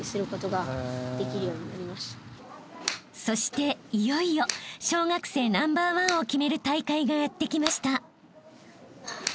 ［そしていよいよ小学生ナンバーワンを決める大会がやってきました］